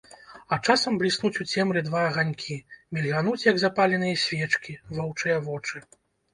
А часам бліснуць у цемры два аганькі, мільгануць, як запаленыя свечкі, воўчыя вочы.